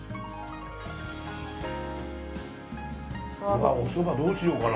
うわおそばどうしようかな？